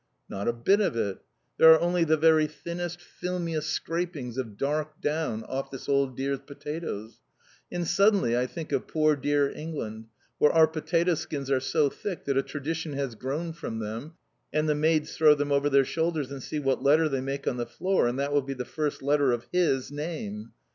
Not a bit of it! There are only the very thinnest, filmiest scrapings of dark down off this old dear's potatoes. And suddenly I think of poor dear England, where our potato skins are so thick that a tradition has grown from them, and the maids throw them over their shoulders and see what letter they make on the floor, and that will be the first letter of his name!